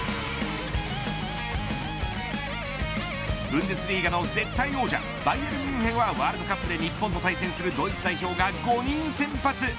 ブンデスリーガの絶対王者バイエルン・ミュンヘンはワールドカップで日本と対戦するドイツ代表５人が先発。